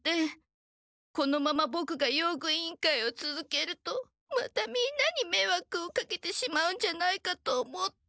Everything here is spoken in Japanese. このままボクが用具委員会をつづけるとまたみんなにめいわくをかけてしまうんじゃないかと思って。